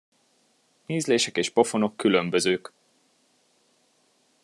Ízlések és pofonok különbözők.